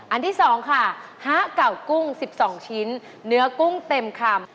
ที่๒ค่ะฮะเก่ากุ้ง๑๒ชิ้นเนื้อกุ้งเต็มคำ